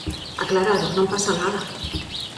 Aclarado, non pasa nada.